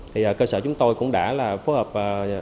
thì cơ sở chúng tôi cũng đã phối hợp